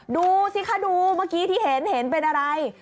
ดูสิคะดูเมื่อกี้ที่เห็นเห็นเป็นอะไร